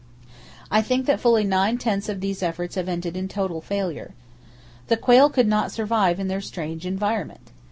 I [Page 329] think that fully nine tenths of these efforts have ended in total failure. The quail could not survive in their strange environment.